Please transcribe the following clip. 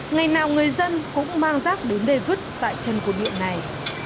ngày nào người dân cũng mang rác đến đây vứt tại chân của biển này